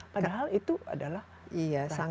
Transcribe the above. padahal itu adalah racun